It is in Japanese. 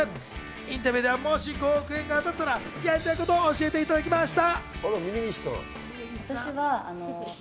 インタビューでは、もし５億円が当たったらやりたいことを教えてくれました。